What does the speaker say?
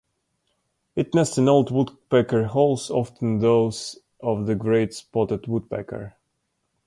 It nests in old woodpecker holes, often those of the great spotted woodpecker.